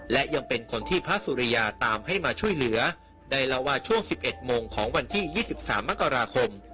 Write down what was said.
และยังเป็นคนที่พระสุริยาตามให้มาช่วยเหลือใดละว่าช่วงสิบเอ็ดโมงของวันที่ยี่สิบสามมกราคม